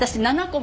７個！？